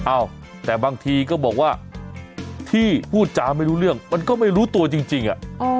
เอ้าแต่บางทีก็บอกว่าที่พูดจาไม่รู้เรื่องมันก็ไม่รู้ตัวจริง